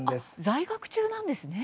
在学中なんですね。